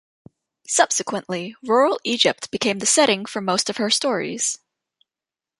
Subsequently rural Egypt became the setting for most of her stories.